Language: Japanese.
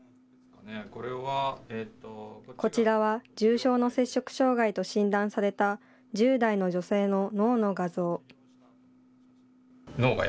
こちらは重症の摂食障害と診断された１０代の女性の脳の画像。